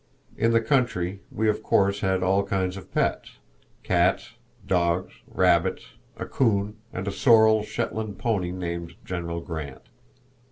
In the country we of course had all kinds of pets cats, dogs, rabbits, a coon, and a sorrel Shetland pony named General Grant.